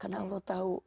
karena kita harus tahu